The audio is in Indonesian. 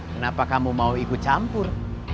kenapa kamu mau ikut campur